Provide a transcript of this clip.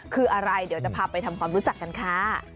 คืออะไรเดี๋ยวจะพาไปทำความรู้จักกันค่ะ